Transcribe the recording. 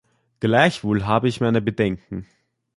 Gleichwohl habe ich meine Bedenken.